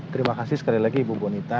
terima kasih sekali lagi ibu bonita